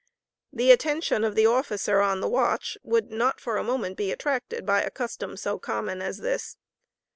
The attention of the officer on the watch would not for a moment be attracted by a custom so common as this.